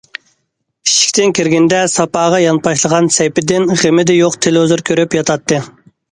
ئىشىكتىن كىرگىنىدە ساپاغا يانپاشلىغان سەيپىدىن غېمىدە يوق تېلېۋىزور كۆرۈپ ياتاتتى.